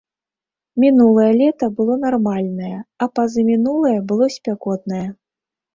Мінулае лета было нармальнае, а пазамінулае было спякотнае.